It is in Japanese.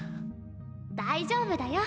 大丈夫だよ